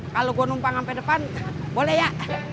kalau gue numpang sampai depan boleh ya